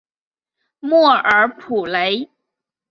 莫尔普雷。